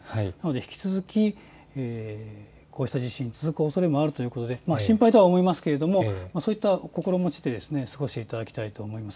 引き続き、こうした地震、続くおそれもあるということで心配とは思いますがそういった心持ちで過ごしていただきたいと思います。